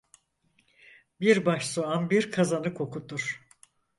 Bir baş soğan bir kazanı kokutur.